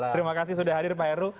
terima kasih sudah hadir pak heru